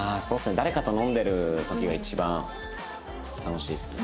誰かと飲んでる時が一番楽しいですね。